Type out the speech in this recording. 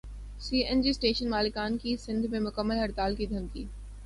سی N G station مالکان کی سندھ میں مکمل ہڑتال کی دھمکی